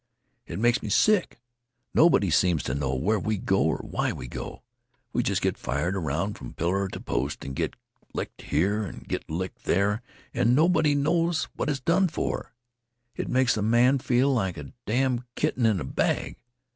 It makes me sick. Nobody seems to know where we go or why we go. We just get fired around from pillar to post and get licked here and get licked there, and nobody knows what it's done for. It makes a man feel like a damn' kitten in a bag.